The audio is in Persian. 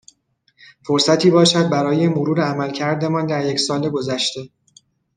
فرصتی باشد برای مرور عملکردمان در یک سال گذشته